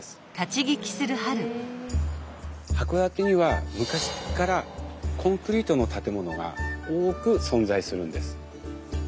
函館には昔っからコンクリートの建物が多く存在するんです。